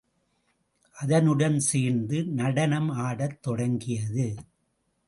அதனுடன் சேர்ந்து நடனம் ஆடத் தொடங்கியது.